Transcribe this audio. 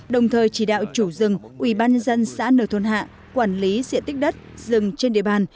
đồng thời chỉ đạo chủ rừng ubnd xã nờ thôn hạ quản lý diện tích đất rừng trên địa bàn